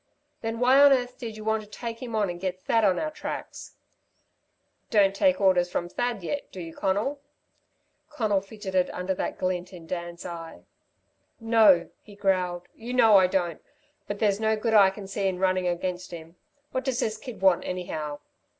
"Then why on earth did you want to take him on and get Thad on our tracks?" "Don't take orders from Thad yet, do you, Conal?" Conal fidgeted under that glint in Dan's eye. "No," he growled, "you know I don't, but there's no good I can see in running against him. What does this kid want anyhow?